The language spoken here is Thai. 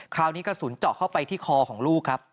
คราวนี้กระสุนเจาะเข้าไปที่คอของลูกครับ